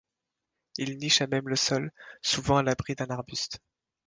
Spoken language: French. Il niche à même le sol, souvent à l'abri d'un arbuste.